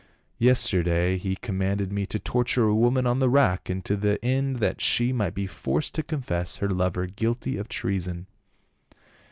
Yesterday he com manded me to torture a woman on the rack, to the end that she might be forced to confess her lover guilty of treason.